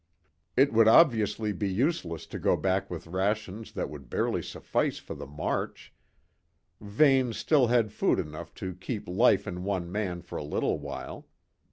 It would obviously be useless to go back with rations that would barely suffice for the march: Vane still had food enough to keep life in one man for a little while.